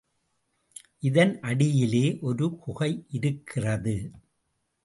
இதன் அடியிலே ஒரு குகையிருக்கிறது.